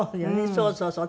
そうそうそう。